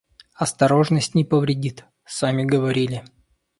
Осторожность не повредит, сами говорили.